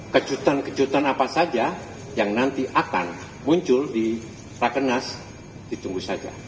kejutan kejutan apa saja yang nanti akan muncul di rakenas ditunggu saja